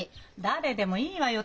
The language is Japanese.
誰でもいいわよ。